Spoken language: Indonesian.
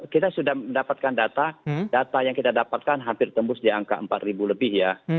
kita sudah mendapatkan data data yang kita dapatkan hampir tembus di angka empat ribu lebih ya